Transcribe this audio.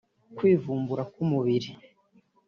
kwivumbura k’umubiri